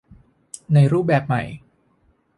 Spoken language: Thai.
ในรูปแบบใหม่